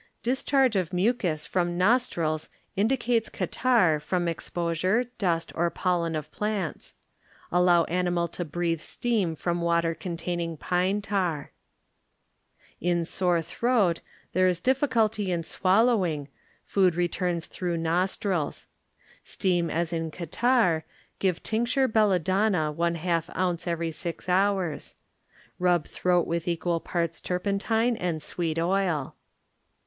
DiscHARCE OF Mucus from nostrils in dicates catarrh from enosure, dust, or pollen of plants. Allow animal to breathe steam from water containing In SoHE Throat there is difficulty in swallowing, food returns through nos trils. Steam as in catarrh, give tincture belladonna one half ounce every six hours. Rub throat with equal parti tur pentine and sweet oil.